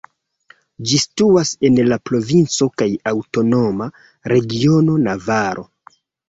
Ĝi situas en la provinco kaj aŭtonoma regiono Navaro.